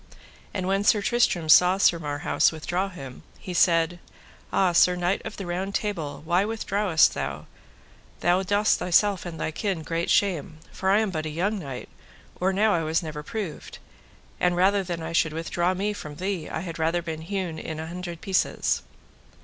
And when Sir Tristram saw Sir Marhaus withdraw him, he said: Ah! Sir Knight of the Round Table, why withdrawest thou thee? thou dost thyself and thy kin great shame, for I am but a young knight, or now I was never proved, and rather than I should withdraw me from thee, I had rather be hewn in an hundred pieces.